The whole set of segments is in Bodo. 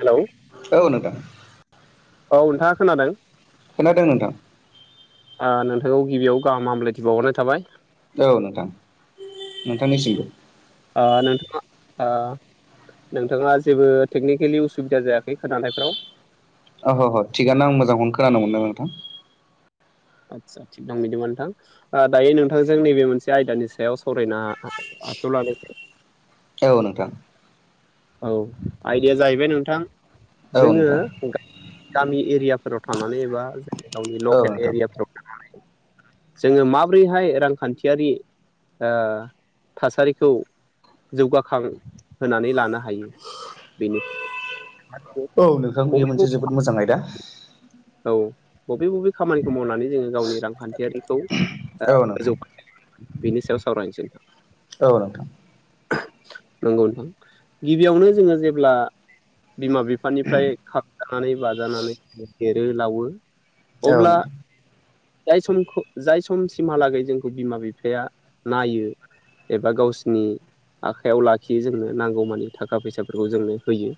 हेलौ औ नोंथां औ नोंथाङा खोनादों? खोनादों नोंथां। ओ नोंथांखौ गिबियाव गाहाम हामब्लायथि बावहरनाय थाबाय। औ नोंथां नोंथांनिसिमबो। ओ नोथाङा ओ नोंथाङा जेबो टेकनिकेलि उसुबिदा जायाखै खोनानायफ्राव? ओहो ओहो थिगआनो आं मोजांखौनो खोनानो मोनो नोंथां। आदसा थिग दं बिदिबा नोंथां दायो नोंथांजों नैबे मोनसे आयदानि सायाव सावरायना आखायाव लानोसै। औ नोंथां औ आइदाया जाहैबाय नोंथां औ जोङो नोंथां गामि एरियाफोराव थानानै एबा जों गावनि औ लकेल नोंथां एरियाफोराव थानानै जोङो माबोरैहाय रांखान्थियारि ओ थासारिखौ जौगाखां होनानै लानो हायो बेनो। औ नोंथां बेयो मोनसे जोबोद मोजां आयदा। औ बबे बबे खामानिखौ मावनानै जोङो गावनि रांखान्थियारिखौ औ नोंथां [unintelligible] बिनि सायाव सावरायनोसै। औ नोंथां नंगौ नोंथां गिबियावनो जोङो जेब्ला बिमा बिफानिफ्राय खांजानानै बाजानानै देरो लावो औ अब्ला नोंथां जाय समखौ जाय समसिमहालागै जोंखौ बिमा बिफाया नायो एबा गावसिनि आखाइयाव लाखियो जोंनो नांगौ मानि थाखा फैसाफोरखौ जोंनो होयो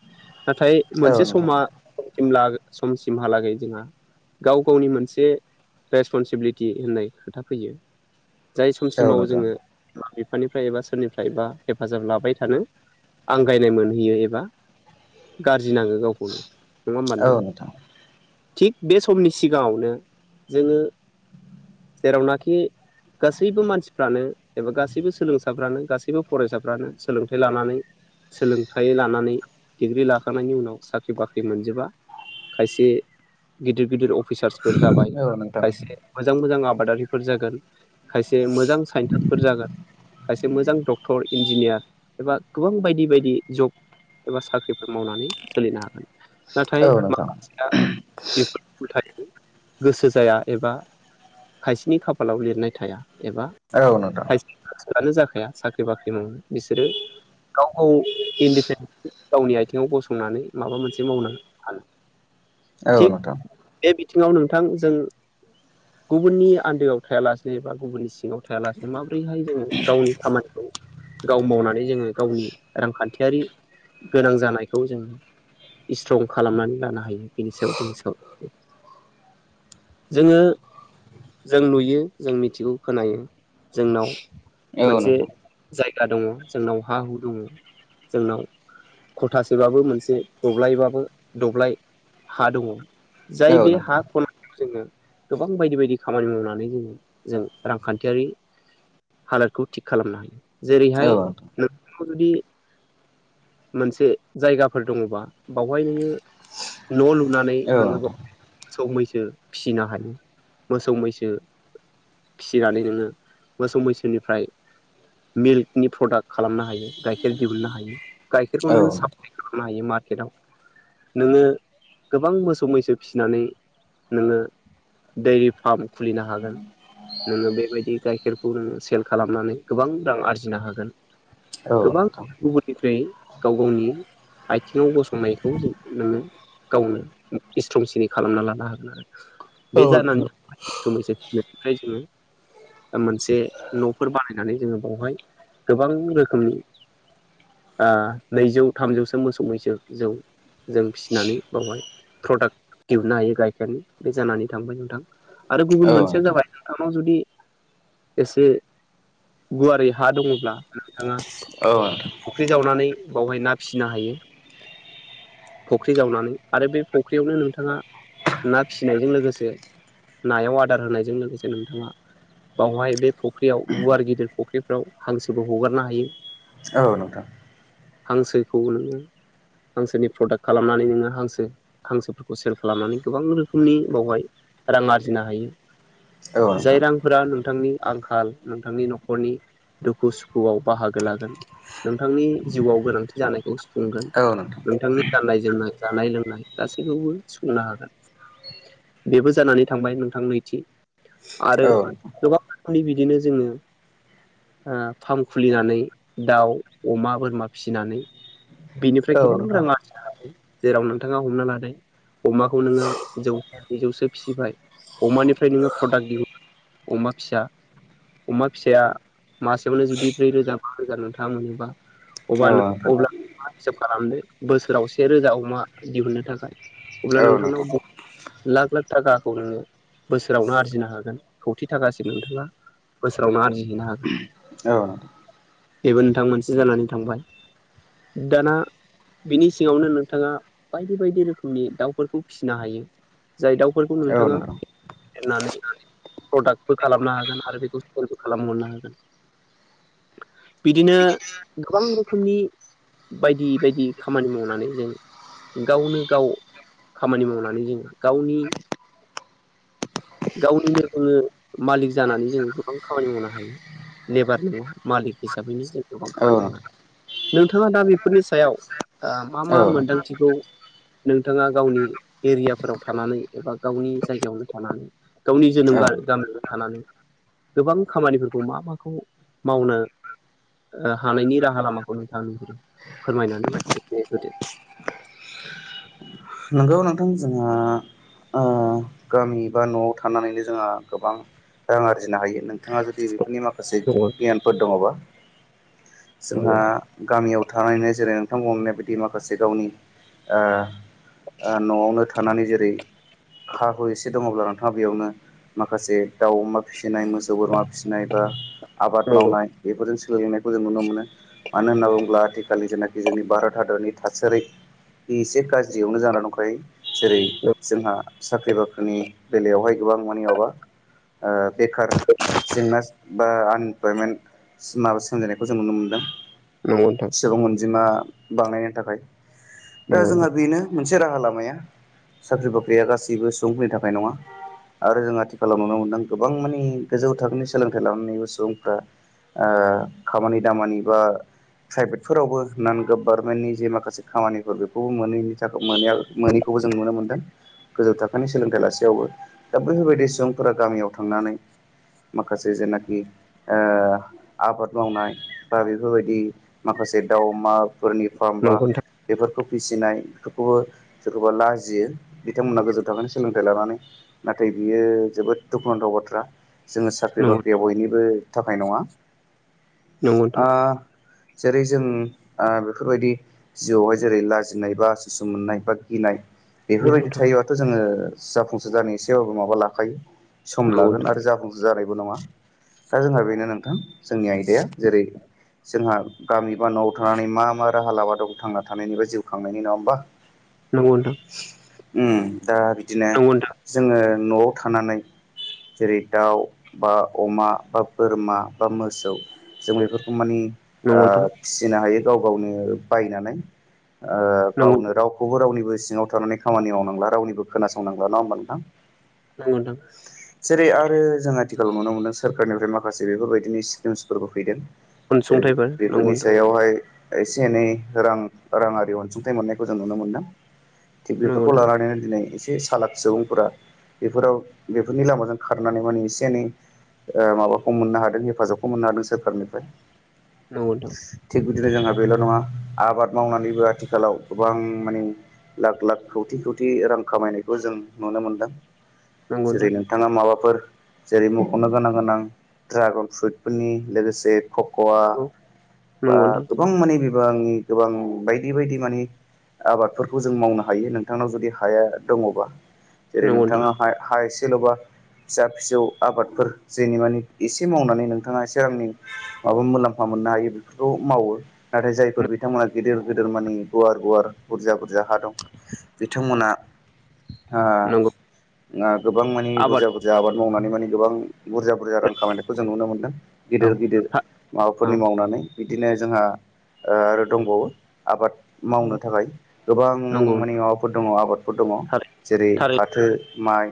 नाथाय औ मोनसे नोंथां समा [unintelligible] समसिमहालागै जोंहा गाव गावनि मोनसे रेसपनसिबिलिटि होननाय खोथा फैयो। जाय औ समसिमाव नोंथां जोङो बिमा बिफानिफ्राय एबा सोरनिफ्रायबा हेफाजाब लाबाय थानो आंगायनाय मोनहैयो एबा गाज्रि नाङो गावखौनो नङा होमबा नोंथां? थिग बे समनि सिगाङावनो जोङो जेरावनाखि गासैबो मानसिफ्रानो एबा गासैबो सोलोंसाफ्रानो गासैबो फरायसाफ्रानो सोलोंथाइ लानानै सोलोंथाइ लानानै डिग्रि लाखांनायनि उनाव साख्रि बाख्रि मोनजोबा खायसे गिदिर गिदिर अफिसार्सफोर जाबाय औ नोंथां औ नोंथां औ नोंथां औ नोंथां औ नोंथां औ खायसे मोजां मोजां आबादारिफोर जागोन। खायसे मोजां साइन्टिस्टफोर जागोन खायसे मोजां डक्टर इन्जिनियार एबा गोबां बायदि बायदि जब एबा साख्रिफोर मावनानै सोलिनो हागोन। नाथाय नोंथां औ नोंथां औ नोंथां औ नोंथां औ नोंथां औ नोंथां औ नोंथां औ नोंथां औ नोंथां औ नोंथां औ माखासेया बेफोर उलथायै गोसो जाया एबा खायसेनि खाफालाव लिरनाय थाया एबा औ नोंथां [unintelligible] जाखाया साख्रि बाख्रि मावनो बिसोरो गाव गाव इनडेपेनडेन्टलि गावनि आथिङाव गसंनानै माबा मोनसे मावनो हानो। औ थिग नोंथां बे बिथिङाव नोंथां जों गुबुननि आन्दोआव थायालासेनो एबा गुबुननि सिङाव थायालासेनो माबोरैहाय जोंङो गावनि खामानिखौ गाव मावनानै जोंङो गावनि रांखान्थियारि गोनां जानायखौ जों स्ट्रं खालामनानै लानो हायो बेनि सायाव दिनै [unintelligible] जोंङो जों नुयो जों मिथिगौ खोनायो जोंनाव मोनसे जायगा दङ जोंनाव हा हु दङ जोंनाव खथासेबाबो मोनसे दब्लायबाबो दब्लाय हा दङ। जाय बे हा खन जोंङो गोबां बायदि बायदि खामानि मावनानै जोंङो जों रांखान्थियारि हालोदखौ थिग खालामनो हायो। जेरै हाय नोंथांनाव जुदि मोनसे जायगाफोर दङबा बावहाय नोंङो न' लुनानै नोंङो [unintelligible] मोसौ मैसो फिसिनो हायो मोसौ मैसो फिसिनानै नोंङो मोसौ मैसोनिफ्राय मिल्कनि प्रडाक्ट खालामनो हायो गाइखेर दिहुननो हायो। गाइखेरखौ नोंङो साप्लाय खालामनो हायो मार्केटाव। नोंङो गोबां मोसौ मैसो फिसिनानै नोंङो डैरि फार्म खुलिनो हागोन। नोंङो बेबायदि गाइखेरखौ नोंङो सेल खालामनानै गोबां रां आरजिनो हागोन। गोबां गुबुननिफ्राय गाव गावनि आथिङाव गसंनायखौ जों नोंङो गावनो स्ट्रंसिनै खालामना लानो हागोन आरो। बे जानानै थांबाय मोसौ मैसो फिनायनिफ्राय जोंङो मोनसे न'फोर बानायनानै जोंङो बहाय गोबां रोखोमनि आ नैजौ थामजौसो मोसौ मैसो जौ जों फिसिनानै बावहाय प्रडाक्ट दिहुननो हायो गाइखेरनि बे जानानै थांबाय नोंथां। आरो गुबुन मोनसेयानो जाबाय नोंथांनाव जुदि एसे गुवारै हा दङब्ला नोंथाङा औ नोंथां। फुख्रि जावनानै बावहाय ना फिसिनो हायो। फख्रि जावनानै आरो बे फख्रियावनो नोंथाङा ना फिनायजों लोगोसे नायाव अदार होनायजों लोगोसे नोंथाङा बावहाय बे फुख्रियाव गुवार गिदिर फख्रिफ्राव हांसोबो हगारनो हायो। औ नोंथां। हांसोखौ नोंङो हांसोनि प्रडाक्ट खालामनानै नोंङो हांसो हांसोफोरखौ सेल खालामनानै गोबां रोखोमनि बावहाय रां आरजिनो हायो। जाय रांफोरा नोंथांनि आंखाल नोंथांनि न'खरनि दुखु सुखुआव बाहागो लागोन नोंथांनि जिउआव गोनांथि जानायखौ सुफुंगोन। नोंथांनि गाननाय जोमनाय जानाय लोंनाय गासैखौबो सुफुंनो हागोन। बेबो जानानै थांबाय नोंथां नैथि। आरो गोबां रोखोमनि बिदिनो जोङो ओ फार्म खुलिनानै दाउ अमा बोरमा फिसिनानै बेनिफ्राय गोबां नोंथां रां आरजिनो हायो। जेराव नोंथाङा हमनो लादों अमाखौ नोङो जौ जौसे फिबाय अमानिफ्राय नोङो प्रडाक्ट दिहुन अमा फिसा। अमा फिसाया मासेयावनो जुदि ब्रै रोजा बा रोजा नोंथाङा मोनोबा। अबा औ नोंथां अब्ला मा हिसाब खालामदो बोसोराव से रोजा अमा दिहुननो थाखाय औ अब्ला नोंथां नोंथांनाव लाख लाख थाखाखौ नोङो बोसोरावनो आरजिनो हागोन खौथि थाखासिम नोंथाङा बोसोरावनो आरजिहैनो हागोन औ नोंथां बेबो नोंथां मोनसे जानानै थांबाय। दाना बिनि सिङावनो नोंथाङा बायदि बायदि रोखोमनि दाउफोरखौ फिनो हायो। जाय दाउफोरखौ औ नोंथाङा नोंथां होननानै प्रदाक्टबो खालामनो हागोन आरो बेखौ सेलबो खालामहरनो हागोन। बिदिनो गोबां रोखोमनि बायदि बायदि खामानि मावनानै जों गावनो गाव खामानि मावनानै जोङो गावनि गावनिनो जोङो मालिक जानानै जोङो गोबां खामानि मावनो हायो लेबार नङा मालिक हिसाबैनो जों गोबां औ खामानि मावनो नोंथां हायो नोंथाङा दा बेफोरनि सायाव मा औ मा नोंथां मोनदांथिखौ नोंथाङा गावनि एरियाफोराव थानानै एबा गावनि जायगायावनो थानानै गावनि जोनोम औ नोंथां गामि थानानै गोबां खामानिफोरखौ मा माखौ मावनो हानायनि राहा लामाखौ नोंथाङा नुहुरो फोरमायनानै होदो नंगौ नोंथां जोंहा गामि बा न'आव थानानैनो जोंहा गोबां रां आरजिनो हायो नों बिथाङा जुदि बेफोरनि माखासे गियानफोर दङबा जोंहा नंगौ गामियाव थनो जेरै नोंथांमोननाय बिदि माखासे गावनि न'आवनो थानानै जेरै हा हु एसे दङब्ला नोंथाङा बेयावनो माखासे दाउ अमा फिसिनाय मोसौ बोरमा फिसिनाय बा आबाद नंगौ मावनाय बेफोरजों सोलोंलोंनायखौ जों नुनो मोनो मानो होनना बुङोब्ला आथिखालनि जेनाखि जोंनि भारत हादरनि थासारि एसे गाज्रि जियावनो जाना दंखायो जेरै जोंहा साख्रि बाख्रिनि बेलायावहाय गोबां मानि माबा बेखार जेंना बा आनइमप्लयमेन्ट माबा सोंजेननायखौ जों नुनो मोनदों नंगौ नोंथां गोबां अनजिमा बांनायनि थाखाय दा नंगौ जोंहा बेनो मोनसे राहा लामाया साख्रि बाख्रिया गासैबो सुबुंफोरनि थाखाय नङा आरो जों आथिखालाव नुनो मोनदों गोबां मानि गोजौ थाखोनि सोलोंथाइ लानानै सुबुंफ्रा खामानि दामानि बा प्राइभेटफोरावबो नान गभारनमेन्टनि जे माखासे खामानिफोर बेखौबो मोनैनि मोन मोनैखौबो जों नुनो मोन्दों गोजौ थाखोनि सोलोंथाइ लासेयावबो दा बेैफोरबायदि सुबुंफोरा गामियाव थांनानै मासे जायनाखि आबाद मावनाय बा बेफोरबायदि माखासे दाउ अमाफोरनि फामबा नोंथां बेफोरखौ फिसिनाय बेखौबो सोरखौबा लाजियो बिथांमोनहा गोजौनि थाखनो सोलोंथाइ लानानै नाथाय बियो जोबोद दुखुनांथाव बाथ्रा जोङो साख्रि नंगौ बाख्रियाव बयनिबो थाखाय नङा। [inaudible] ओ नोंथां जेरै जों ओ बेफोरबायदि जिउआवहाय जेरै लाजिनाय बा उसु मोननाय बा गिनाय नंगौ बेफोरबायदि नोंथां थायो आ जोङो जाफुंसार जानो इसेबाबो माबा लाखायो सम नंगौ लागोन आरो जाफुं जानायबो नङा। दा जोंहा बेनो नोंथां जोंनि आयदाया जेरै जोंहा गामि बा न'आव थानानै मा मा राहा लामा दं थांना थानायनि बा जिउ खांनायनि नङा होमबा। नंगौ नों उम दा बिदिनो नंगौ जोङो न'आव थानानै जेरै दाउ बा अमा बा बोरमा बा मोसौ जों बेफोरखौ माने नोंथां ओ नंगौ नोंथां फिसिनो हायो गाव गावनो बायनानै ओ नंगौ गावनो रावखौबो रावनिबो सिङाव थानानै खामानि मावनांला रावनिबो खोनासंनांला नङा होमबा नोंथां। नंगौ नोंथां। जेरै आरो जों आथिखालाव नुनो मोनदों सोरखारनिफ्राय माखासे बेफोरबायदिनो स्किम्सफोरबो फैदों। जेरै अनसुंथाइफोर नंगौ बेफोरनि नोंथां सायावहाय एसे एनै रां-राङारि अनसुंथाइ मोननायखौ जों नुनो मोनदों। थिग नंगौ बेफोरखौ नोंथां लानानैनो दिनै एसे एसे सालाक सुबुंफोरा बेफोराव बेफोरनि लामाजों खारनानै माने एसे एनै ओ माबाखौ मोननो हादों हेफाजाबखौ मोननो हादों सोरखारनिफ्राय। नंगौ थिग बिदिनो जोंहा बेल' नङा आबाद मावनानैबो आथिखालाव गोबां माने लाख लाख खौथि खौथि रां खामायनायखौ जों नुनो मोनदों नोंथां नंगौ जेरै नोंथां थाङा माबाफोर जेरै मख'नो गोनां गोनां ड्रागन फ्रुइटफोरनि लोगोसे कक औवा नंगौ बा नंगौ नोंथां गोबां माने बिबांनि गोबां बायदि बायदि माने आबादफोरखौ जों मावनो हायो नोंथांनाव जुदि हाया दङबा। जेरै नंगौ नोंथां नोंथाङा हाय हा इसिल'बा फिसा फिसौ आबादफोर जेनि मानि एसे मावनानै नोंथाङा एसे रांनि माबा मुलाम्फा मोननो हायो बेफोरखौ मावो। नाथाय जायफोर बिथांमोना गेदेर गेदेर माने गुवार गुवार बुरजा बुरजा हा दं बिथांमोना ओ नंगौ ओ गोबां माने आबाद बुरजा बुरजा आबाद मावनानै माने गोबां बुरजा बुरजा रां खामायनायखौ जों नुनो मोन्दों। गिदिर औ गिदिर औ माबाफोरनि मावनानै बिदिनो जोंहा ओ आरो दंबावो आबाद। मावनो नंगौ थाखाय गोबां नंगौ माने माबाफोर दङ आबाद फोर दङ थारै जेरै थारै फाथो माइ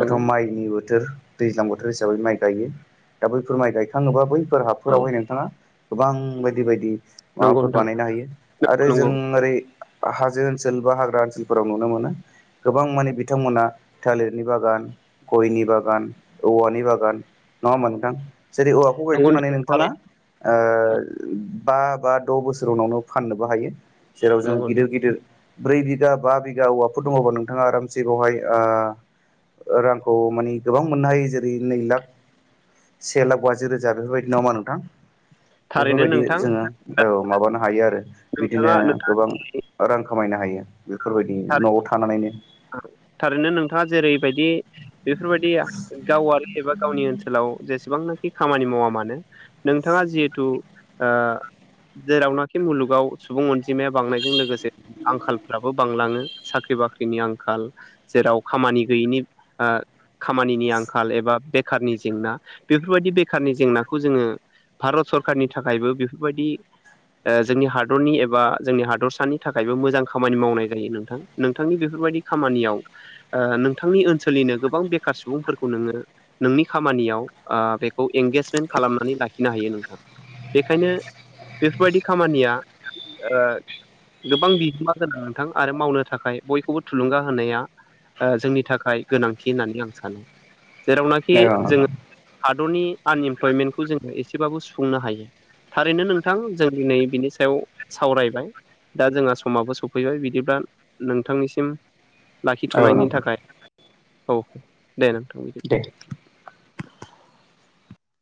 दाथ' माइनि बोथोर दैज्लां बोथोर हिसाबै माइ गायो। दा बैफोर माइ गायखाङोबा बैफोर औ हाफोरावहाय नोंथाङा गोबां बायदि बायदि नंगौ माबाफोर नोंथां बानायनो हायो आरो जों नंगौ ओरै हाजो ओनसोल बा हाग्रा ओनसोलफोराव नुनो मोनो। गोबां माने बिथांमोना थालिरनि बागान गयनि बागान औवानि बागान नङा होमबा नोंथां। जेरै औवा खौ नंगौ गायखांनानै नोंथां नोंथाङा थारै ओ बा बा द' बोसोर उनावनो फाननोबो हायो। जेराव जों नंगौ गिदिर नोंथां गिदिर ब्रै बिघा बा बिघा औवाफोर दङबा नोंथाङा आरामसे बेवहाय आ ओ रांखौ माने गोबां मोननो हायो जेरै नै लाख से लाख बाजि रोजा बेफोरबायदि नङा होमबा नोंथां। थारैनो बेफोरबायदि नोंथां जोङो औ माबानो हायो आरो बिदिनो नोंथाङा नोंथांनि गोबां रां खामायनो हायो बेफोरबायदि न'आव थानानैनो थारैनो नोंथाङा जेरैबायदि बेफोरबायदिया गावारि एबा गावनि ओनसोलाव जेसेबांनो खि खामानि मावा मानो नोंथाङा जिहेथु ओ जेरावनाखि मुलुगाव सुबुं अनजिमाया बांनायजों लोगोसे आंखालफ्राबो बांलाङो साख्रि बाख्रिनि आंखाल जेराव खामानि गैयैनि ओ खामानिनि आंखाल एबा बेखारनि जेंना बेफोरबायदि बेखारनि जेंनाखौ जोङो भारत सरखारारनि थाखायबो बेफोरबायदि ओ जोंनि हादरनि एबा जोंनि हादरसानि थाखायबो मोजां खामानि मावनाय जायो नोंथां नोंथांनि बेफोरबायदि खामानियाव ओ नोंथांनि ओनसोलनिनो गोबां बेखार सुबुंफोरखौ नोङो नोंनि खामानियाव ओ बेखौ एंगेजमेन्ट खालामनानै लाखिनो हायो नोंथां। बेखायनो बेफोरबायदि खामानिया ओ गोबां बिहोमा गोनां नोंथां आरो मावनो थाखाय बयखौबो थुलुंगा होनाया ओ जोंनि थाखाय गोनांथि होननानै आं सानो जेरावनाखि औ नोंथां जोङो हादरनि आनइमप्लयमेन्टखौ जोङो एसेबाबो सुफुंनो हायो थारैनो नोंथां जों दिनै बिनि सायाव सावरायबाय दा जोंहा समाबो सौ फैबाय बिदिब्ला नोंथांनिसिम औ लाखिथ'नायनि नोंथां थाखाय औ दे नोंथां। [inaudible]